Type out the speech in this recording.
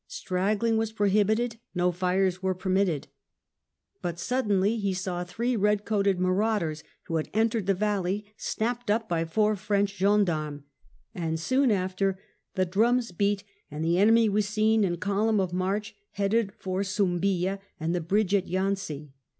Straggling was prohibited, no fires were permitted. But suddenly he saw three red coated marauders, who had entered the valley, snapped up by four French gendarmes, and soon after the drums beat and the enemy was seen in column of march heading for Sumbilla and the bridge at Yanzi.